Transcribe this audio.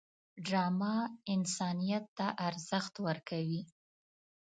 ډرامه انسانیت ته ارزښت ورکوي